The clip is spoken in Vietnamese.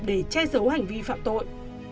để che giấu hành vi phạm tội